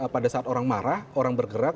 pada saat orang marah orang bergerak